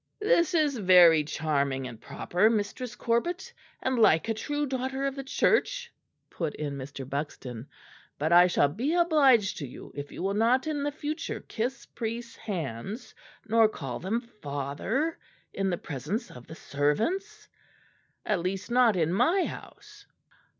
"This is very charming and proper, Mistress Corbet, and like a true daughter of the Church," put in Mr. Buxton, "but I shall be obliged to you if you will not in future kiss priests' hands nor call them Father in the presence of the servants at least not in my house."